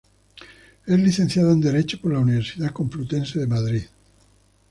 Es licenciada en Derecho por la Universidad Complutense de Madrid.